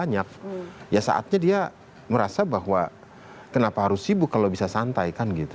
ya saatnya dia merasa bahwa kenapa harus sibuk kalau bisa santai kan gitu